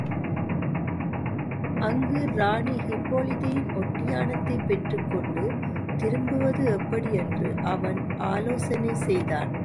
அங்கே இராணி ஹிப்போலிதையின் ஒட்டியாணத்தைப் பெற்றுக்கொண்டு திரும்புவது எப்படியென்று அவன் ஆலோசனை செய்தான்.